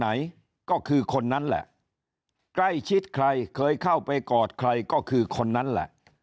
ไหนก็คือคนนั้นแหละใกล้ชิดใครเคยเข้าไปกอดใครก็คือคนนั้นแหละ